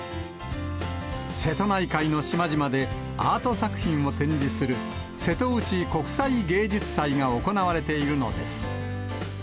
瀬戸内海の島々でアート作品を展示する瀬戸内国際芸術祭が行われているのです。